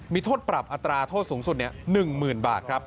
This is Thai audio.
มีโทษปรับอัตราโทษสูงสุด๑๐๐๐บาทครับ